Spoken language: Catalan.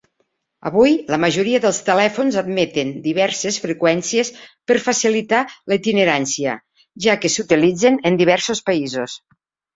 Avui, la majoria dels telèfons admeten diverses freqüències per facilitar la itinerància, ja que s'utilitzen en diversos països.